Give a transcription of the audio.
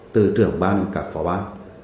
từ trưởng ban đến cả phó bán